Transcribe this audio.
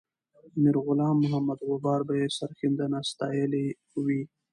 میرغلام محمد غبار به یې سرښندنه ستایلې وي.